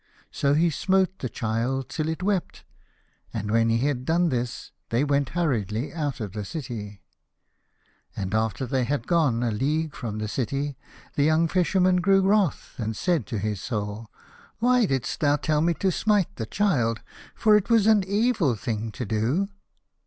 So he smote the child till it wept, and when he had done this they went hurriedly out of the city. And after that they had gone a league from the city the young Fisherman grew wrath, and said to his Soul, " Why did'st thou tell me to smite the child, for it was an evil thing to do